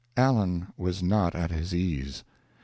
Allen was not at his ease.